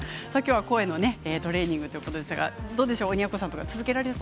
声のトレーニングということでしたが、どうでしょうか。